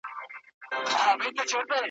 چي د سیمي اوسېدونکي `